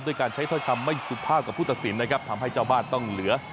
ด้วยการใช้ถ้อยคำไม่สุภาพกับผู้ตัดสินนะครับทำให้เจ้าบ้านต้องเหลือ